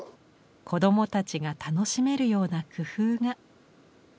子どもたちが楽しめるような工夫が。